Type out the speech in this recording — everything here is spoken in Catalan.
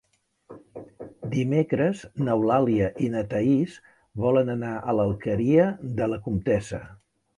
Dimecres n'Eulàlia i na Thaís volen anar a l'Alqueria de la Comtessa.